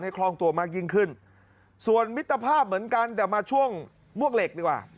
คล่องตัวมากยิ่งขึ้นส่วนมิตรภาพเหมือนกันแต่มาช่วงมวกเหล็กดีกว่า